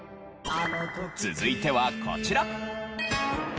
続いてはこちら。